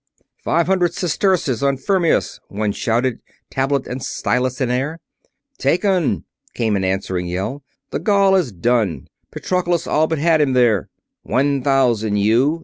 "Five hundred sesterces on Fermius!" one shouted, tablet and stylus in air. "Taken!" came an answering yell. "The Gaul is done Patroclus all but had him there!" "One thousand, you!"